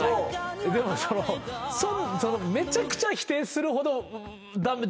でもめちゃくちゃ否定するほど。